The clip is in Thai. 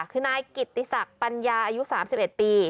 คือนายกิตติศักดิ์ปัญญาอายุ๓๑ปี